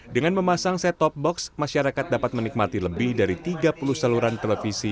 dengan memasang set top box masyarakat dapat menikmati lebih dari tiga puluh saluran televisi